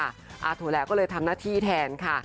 โถแล้วก็เลยทำหน้าที่แทนค่ะ